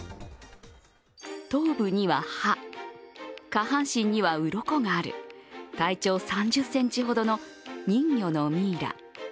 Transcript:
頭部には歯、下半身にはうろこがある、体長３０ｃｍほどの人魚のミイラ。